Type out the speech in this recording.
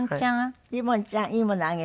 リボンちゃんいいものあげる。